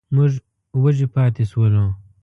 موږ وږي پاتې شولو.